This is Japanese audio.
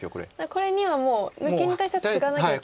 これにはもう抜きに対してはツガなきゃいけないと。